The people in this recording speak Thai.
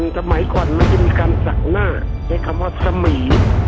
สมัยก่อนมันจะมีการศักดิ์หน้าใช้คำว่าสมี